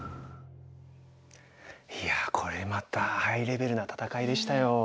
いやこれまたハイレベルな戦いでしたよ。